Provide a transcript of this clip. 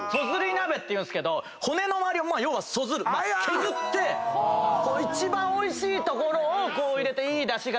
鍋っていうんすけど骨の周りをそずる削って一番おいしい所を入れていいだしが出て。